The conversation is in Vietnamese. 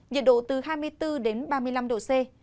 nhiệt độ từ hai mươi bốn đến ba mươi năm độ c